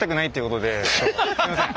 すいません。